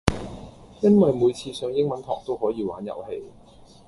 因為每次上英文堂都可以玩遊戲